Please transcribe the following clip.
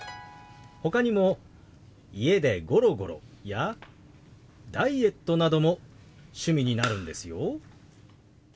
ほかにも「家でゴロゴロ」や「ダイエット」なども趣味になるんですよ。